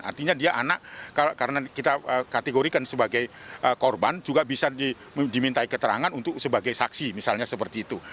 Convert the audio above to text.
artinya dia anak karena kita kategorikan sebagai korban juga bisa dimintai keterangan untuk sebagai saksi misalnya seperti itu